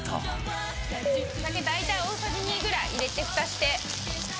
お酒大体大さじ２ぐらい入れてふたして。